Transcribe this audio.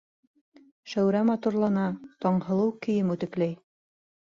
Шәүрә матурлана, Таңһылыу кейем үтекләй.